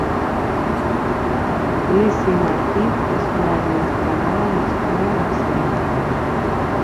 Lisi Martín és una il·lustradora nascuda a Barcelona.